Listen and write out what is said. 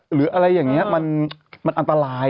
หรืออะไรอย่างนี้มันอันตราย